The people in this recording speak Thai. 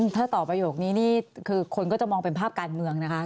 ถ้าตอบประโยคนี้นี่คือคนก็จะมองเป็นภาพการเมืองนะคะ